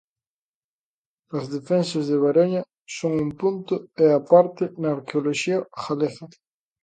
As defensas de Baroña son un punto e á parte na arqueoloxía galega.